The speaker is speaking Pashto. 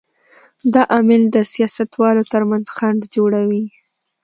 دا عامل د سیاستوالو تر منځ خنډ جوړوي.